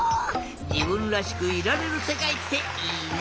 じぶんらしくいられるせかいっていいね！